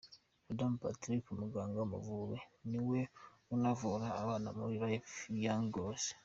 Rutamu Patrick umuganga w'Amavubi ni we unavura abana muri Live Your Goals.